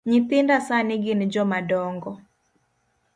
Nyithinda sani gin jomadongo.